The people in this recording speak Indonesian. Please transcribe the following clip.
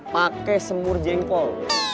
pakai semur jengkol